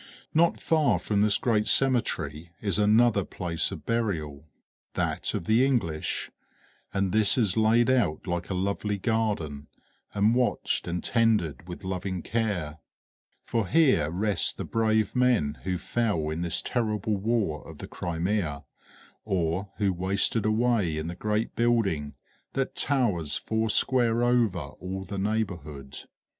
Not far from this great cemetery is another place of burial, that of the English; and this is laid out like a lovely garden, and watched and tended with loving care; for here rest the brave men who fell in this terrible war of the Crimea, or who wasted away in the great building that towers foursquare over all the neighborhood.